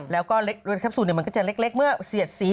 แล้วก็รถแคปซูลมันก็จะเล็กเมื่อเสียดสี